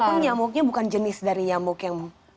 walaupun nyamuknya bukan jenis dari nyamuk yang menerangkan zika